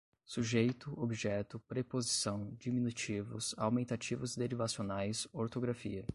sujeito, objeto, preposição, diminutivos, aumentativos derivacionais, ortografia